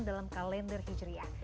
dalam kalender hijriah